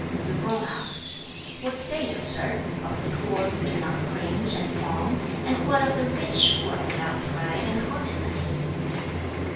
Tsz kung asked, "What say you, sir, of the poor who do not cringe and fawn; and what of the rich who are without pride and haughtiness?"